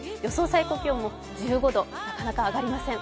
最高気温も１５度、なかなか上がりません。